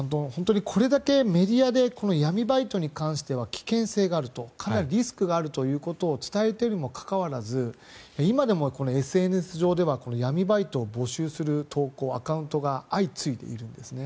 これだけメディアで闇バイトに関しては危険性があるとかなりリスクがあることを伝えているにもかかわらず今でもＳＮＳ上では闇バイトを募集する投稿アカウントが相次いでいるんですね。